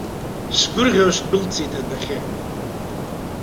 Сгәырӷьо сдәылҵит адәахьы!